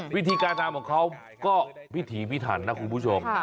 วิธีการทำของเขาก็วิถีพิถันนะคุณผู้ชม